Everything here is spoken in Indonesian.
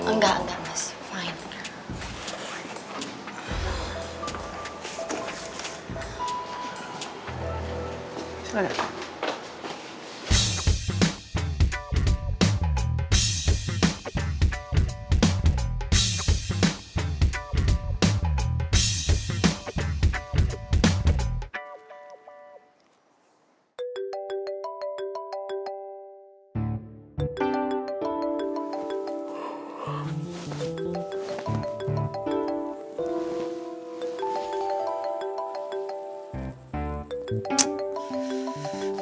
engga engga mas fine